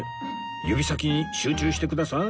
指先に集中してください